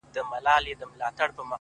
گراني شاعري زه هم داسي يمه-